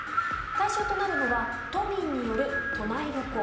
対象となるのは都民による都内旅行。